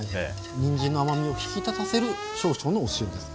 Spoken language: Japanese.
にんじんの甘みを引き立たせる少々のお塩です。